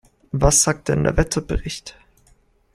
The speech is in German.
Was sagt denn der Wetterbericht?